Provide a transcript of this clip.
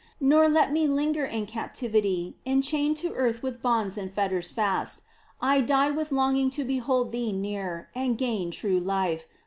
Nor let me linger in captivity Enchained to earth with bonds and fetters fast I I die with longing to behold Thee near And gain true life